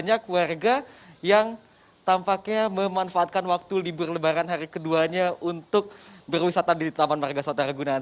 untuk banyak warga yang tampaknya memanfaatkan waktu libur lebaran hari keduanya untuk berwisata di taman warga suat raya ragunan